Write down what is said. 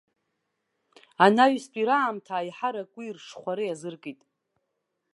Анаҩстәи раамҭа аиҳарак уи ирҽхәара иазыркит.